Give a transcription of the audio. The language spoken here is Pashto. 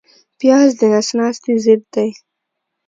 پیاز د نس ناستي ضد دی